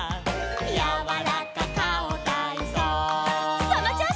「やわらかかおたいそう」